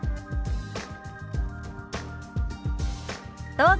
どうぞ。